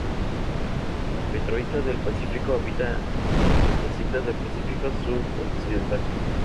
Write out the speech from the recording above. La petroica del Pacífico habita las islas del Pacífico sudoccidental.